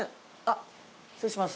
失礼します。